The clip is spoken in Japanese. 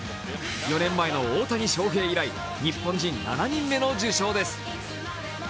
４年前の大谷翔平以来、日本人７人目の受賞です。